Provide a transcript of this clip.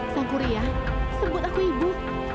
sang kuria sebut aku ibu